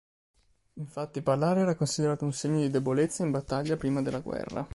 Infatti parlare era considerato un segno di debolezza in battaglia prima della guerra.